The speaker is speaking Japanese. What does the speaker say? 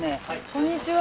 こんにちは。